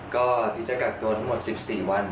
ก็พี่จะกลับตัวทั้งหมด๑๔วัน